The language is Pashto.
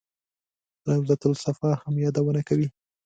روضته الصفا هم یادونه کوي.